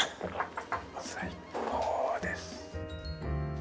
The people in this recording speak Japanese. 最高です。